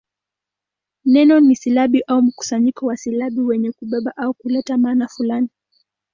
Neno ni silabi au mkusanyo wa silabi wenye kubeba au kuleta maana fulani.